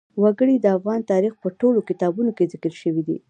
وګړي د افغان تاریخ په ټولو کتابونو کې ذکر شوي دي.